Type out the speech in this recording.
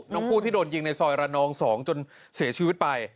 ผู้ที่โดนยิงในซอยระนอง๒จนเสียชีวิตไป